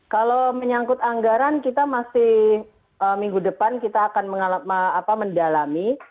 kalau menyangkut anggaran kita masih minggu depan kita akan mendalami